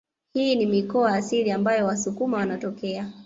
Hii ni mikoa asili ambayo wasukuma wanatokea